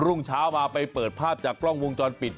รุ่งเช้ามาไปเปิดภาพจากกล้องวงจรปิด